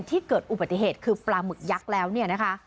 ที่เกิดอุบัติเหตุคือปลาหมึกยักษ์แล้วเนี่ยนะคะ